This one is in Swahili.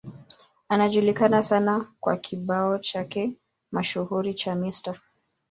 Anajulikana sana kwa kibao chake mashuhuri cha Mr.